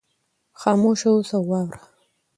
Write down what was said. خاموشه اوسه او واوره.